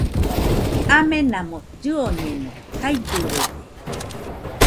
Amenamo llɨoñeno, jaidɨrede